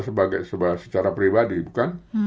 sebagai secara pribadi bukan